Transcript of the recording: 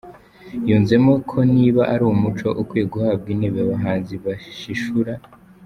Yunzemo ko niba ari umuco ukwiye guhabwa intebe, abahanzi bashishura